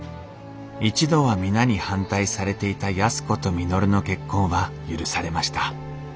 一度は皆に反対されていた安子と稔の結婚は許されました